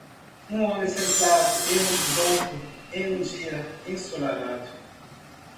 Um homem sentado em um banco em um dia ensolarado.